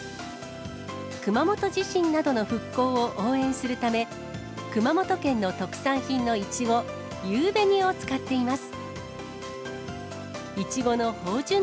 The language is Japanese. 熊本地震などの復興を応援するため、熊本県の特産品のいちご、ゆうべにを使っています。